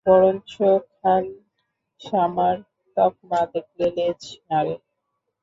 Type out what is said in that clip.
বরঞ্চ খানসামার তকমা দেখলে লেজ নাড়ে।